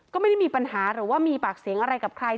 ก็ไม่ได้มีปัญหาหรือว่ามีปากเสียงอะไรกับใคร